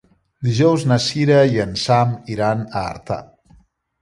Dijous na Sira i en Sam iran a Artà.